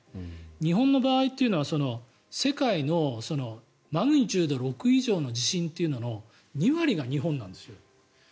日本の場合は世界のマグニチュード６以上の地震というのの２割が日本なんですよね。